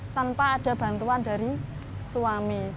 tanpa ada bantuan dari suami